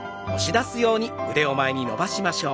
前に伸ばしましょう。